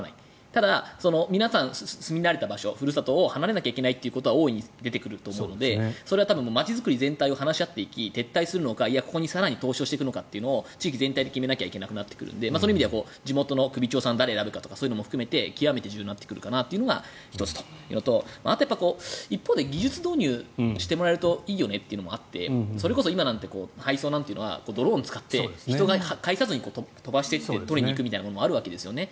ただ、皆さん住み慣れた場所ふるさとを離れなければいけないことは大いに出てくると思うのでそれは街づくり全体を話し合っていき撤退するのか、更に投資をしていくのかというのを地域全体で決めなきゃいけなくなるので首長さんは誰がやるのかとかそういうのも含めて極めて重要になってくるのが１つというのとあとは一方で技術導入してもらえるといいよねというのもあってそれこそ今なんて配送なんていうのはドローンを使って人を介さずに飛ばしていって取りに行くみたいなものもあるわけですよね。